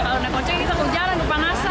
kalau naik bajaj kita ke ujalan kepanasan